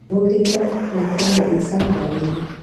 وزې کله ناکله له انسانه ډاریږي